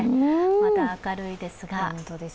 まだ明るいですが。